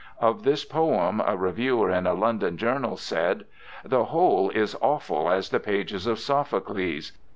Of this poem a reviewer in a London journal said, 'The whole is awful as the pages of Sophocles.